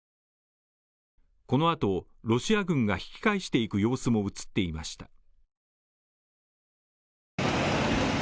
このあと、ロシア軍が引き返していく様子も映っていました。